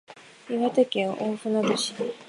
岩手県大船渡市